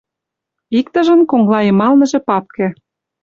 Иктыжын коҥла йымалныже папке.